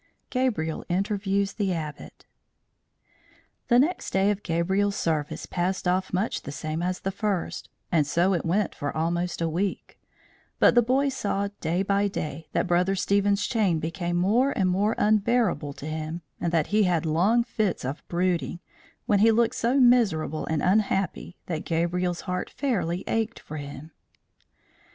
GABRIEL INTERVIEWS THE ABBOT THE next day of Gabriel's service passed off much the same as the first, and so it went for almost a week; but the boy saw day by day that Brother Stephen's chain became more and more unbearable to him, and that he had long fits of brooding, when he looked so miserable and unhappy that Gabriel's heart fairly ached for him.